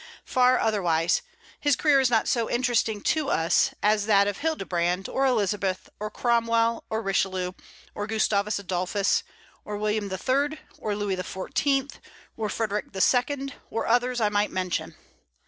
Far otherwise: his career is not so interesting to us as that of Hildebrand, or Elizabeth, or Cromwell, or Richelieu, or Gustavus Adolphus, or William III., or Louis XIV., or Frederic II., or others I might mention.